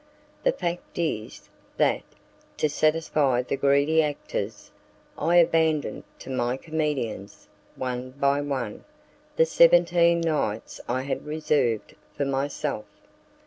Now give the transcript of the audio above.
The fact is, that, to satisfy the greedy actors, I abandoned to my comedians, one by one, the seventeen nights I had reserved for myself.